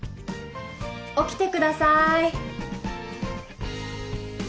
起きてください